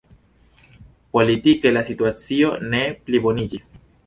Politike la situacio ne pliboniĝis.